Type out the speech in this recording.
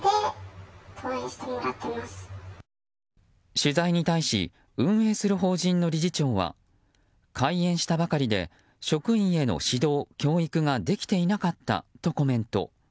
取材に対し運営する法人の理事長は開園したばかりで職員への指導・教育ができていなかったとコメント。